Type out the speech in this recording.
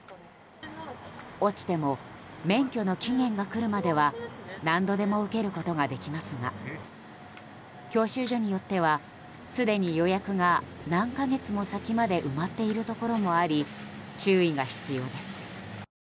落ちても免許の期限が来るまでは何度でも受けることができますが教習所によってはすでに予約が何か月も先まで埋まっているところもあり注意が必要です。